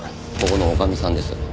ここの女将さんです。